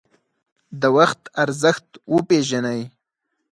د وخت ارزښت وپیژنئ